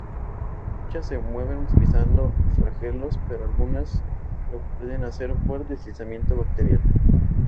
Muchas se mueven utilizando flagelos, pero algunas lo pueden hacer por deslizamiento bacterial.